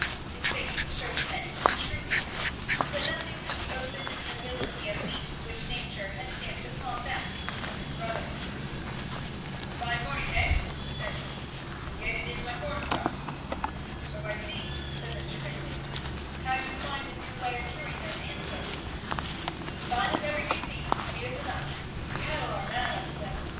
His face showed sense and shrewdness, but nothing of the open nobility of mien which nature had stamped upon that of his brother. [Illustration: She made a long job of her bunch of holly.] "Fine morning, eh?" said he. "I'm getting in my corn stalks." "So I see," said Mr. Ringgan. "How do you find the new way of curing them answer?" "Fine as ever you see. Sweet as a nut. The cattle are mad after them.